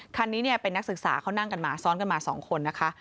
คันนี้เป็นนักศึกษาเขานั่งกันมาซ้อนกันมา๒คนนะคะ